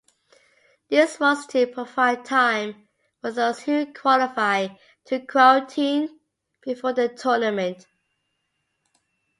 This was to provide time for those who qualify to quarantine before the tournament.